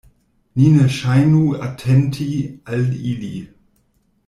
Ni ne ŝajnu atenti al ili.